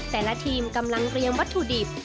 แต่ละทีมกำลังเรียงวัตถุดิบ